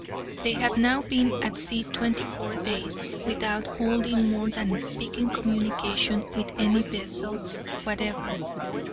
They had now been at sea twenty four days, without holding more than a speaking communication with any vessel whatever.